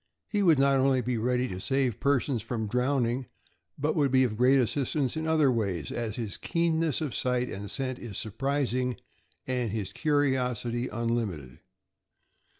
He would not only be ready to save persons from drown ing, but would be of great assistance in other ways, as his keenness of sight and scent is surprising and his curiosity unlimited.